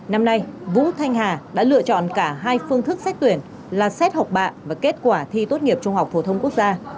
năm nay vũ thanh hà đã lựa chọn cả hai phương thức xét tuyển là xét học bạ và kết quả thi tốt nghiệp trung học phổ thông quốc gia